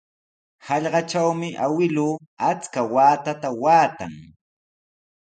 Hallqatrawmi awkilluu achka waakata waatan.